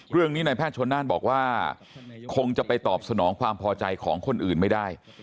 เรื่องนี้นายแพทย์ชนน่านบอกว่าคงจะไปตอบสนองความพอใจของคนอื่นไม่ได้